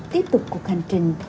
tiếp tục cuộc hành trình